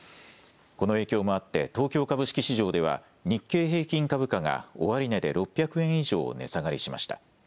この影響もあって東京株式市場では日経平均株価が終値で６００円以上値下がりしました。